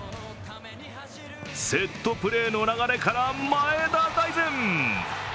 セットプレーの流れから前田大然！